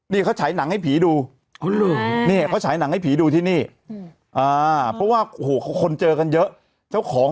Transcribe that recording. นี่เขาฉายหนังให้ผีดูนี่เขาฉายหนังให้ผีดูที่นี่อ่า